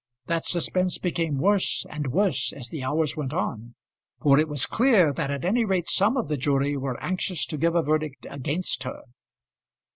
That suspense became worse and worse as the hours went on, for it was clear that at any rate some of the jury were anxious to give a verdict against her.